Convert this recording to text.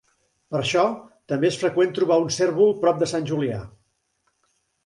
Per això també és freqüent trobar un cérvol prop de Sant Julià.